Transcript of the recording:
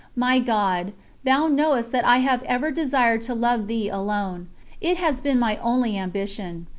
My God, Thou knowest that I have ever desired to love Thee alone. It has been my only ambition.